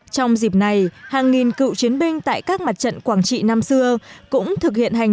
trong dịp này hàng nghìn cựu chiến binh tại các mặt trận quảng trị năm xưa cũng thực hiện hành